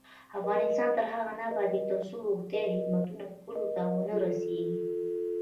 افغانستان تر هغو نه ابادیږي، ترڅو روغتیایی خدمتونه کلیو ته ونه رسیږي.